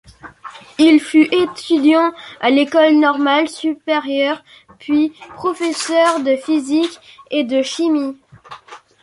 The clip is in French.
Il fut étudiant à l'École normale supérieure, puis professeur de physique et de chimie.